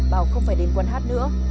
bảo không phải đến quán hát nữa